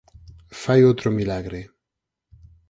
Fai outro milagre.